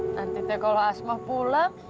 nanti kalau asma pulang